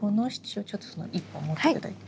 ちょっとその１本を持って頂いて。